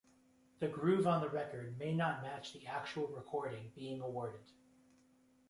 The groove on the record may not match the actual recording being awarded.